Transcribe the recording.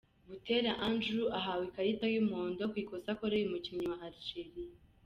Buteera Andrew ahawe ikarita y’umuhondo ku ikosa akoreye umukinnyi wa Algeria.